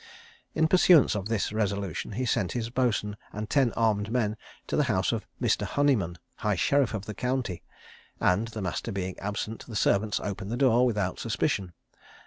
In pursuance of this resolution, he sent his boatswain and ten armed men to the house of Mr. Honeyman, high sheriff of the county; and the master being absent, the servants opened the door without suspicion.